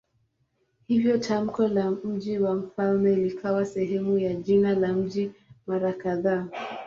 Hivyo tamko la "mji wa mfalme" likawa sehemu ya jina la mji mara kadhaa.